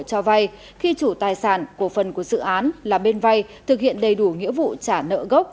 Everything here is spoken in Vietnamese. cho vay khi chủ tài sản cổ phần của dự án là bên vay thực hiện đầy đủ nghĩa vụ trả nợ gốc